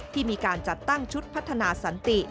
ที่มีการจัดตั้งชุดพัฒนาสันติ